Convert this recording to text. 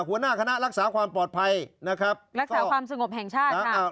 หัวหน้าคณะรักษาความปลอดภัยนะครับรักษาความสงบแห่งชาติค่ะ